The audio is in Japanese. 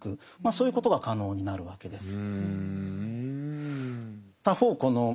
そういうことが可能になるわけです。